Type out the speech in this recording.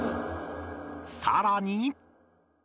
さらに。